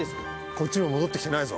こっちにも戻って来てないぞ。